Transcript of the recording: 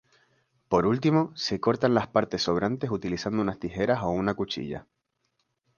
Por último, se cortan las partes sobrantes utilizando unas tijeras o una cuchilla.